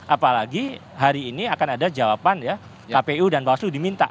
apalagi hari ini akan ada jawaban ya kpu dan bawaslu diminta